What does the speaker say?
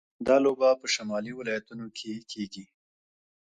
دا لوبه په شمالي ولایتونو کې کیږي.